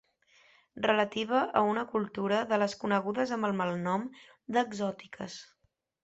Relativa a una cultura de les conegudes amb el malnom d'exòtiques.